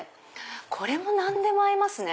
これも何でも合いますね。